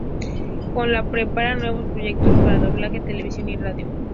Con la que prepara nuevos proyectos para Doblaje, Televisión y Radio.